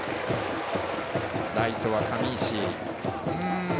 ライトは上石。